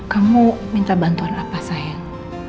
kamu minta bantuan apa sayang